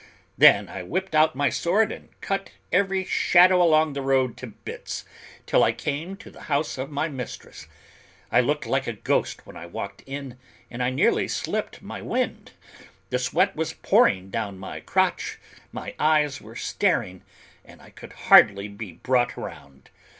Then I whipped out my sword and cut every shadow along the road to bits, till I came to the house of my mistress. I looked like a ghost when I went in, and I nearly slipped my wind. The sweat was pouring down my crotch, my eyes were staring, and I could hardly be brought around.